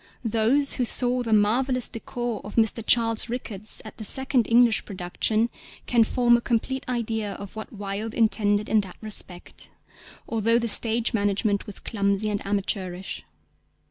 Those who saw the marvellous décor of Mr. Charles Ricketts at the second English production can form a complete idea of what Wilde intended in that respect; although the stage management was clumsy and amateurish.